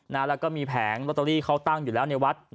แล้วก็มีแผงลอตเตอรี่เขาตั้งอยู่แล้วในวัด